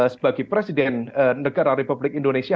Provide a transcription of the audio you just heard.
sebagai presiden negara republik indonesia